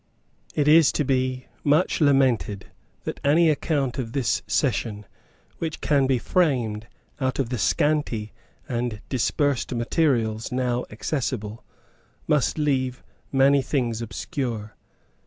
It is much to be lamented that any account of this session which can be framed out of the scanty and dispersed materials now accessible must leave many things obscure.